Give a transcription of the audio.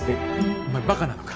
お前バカなのか？